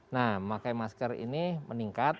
nah pakai masker ini meningkat